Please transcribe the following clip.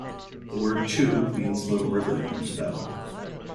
The word "chu" means "little river" in Tibetan.